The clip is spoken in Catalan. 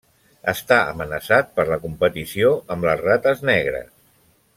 Està amenaçat per la competició amb les rates negres.